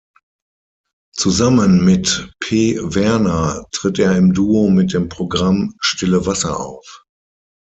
Zusammen mit Pe Werner tritt er im Duo mit dem Programm „Stille Wasser“ auf.